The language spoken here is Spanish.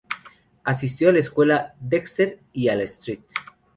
Asistió a la escuela Dexter y a la St.